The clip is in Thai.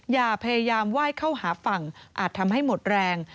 อย่าพยายามไหว้เข้าหาฝั่งอาจทำให้หมดแรง